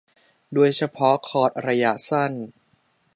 โดยเฉพาะคอร์สระยะสั้น